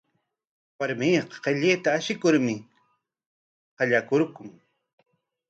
Warmiqa mikuyta ashikurmi qallaykurqan.